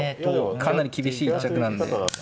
かなり厳しい一着なんで。